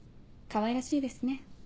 かわいらしいですね。